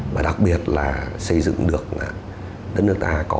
và đặc biệt là đạt được cái thành tiệu như bây giờ được độc lập tự do